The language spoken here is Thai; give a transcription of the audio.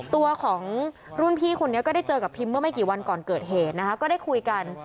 ตัวของรุ่นพี่คนนี้ก็ได้เจอกับพิมเมื่อไม่กี่วันก่อนเกิดเหตุนะคะก็ได้คุยกัน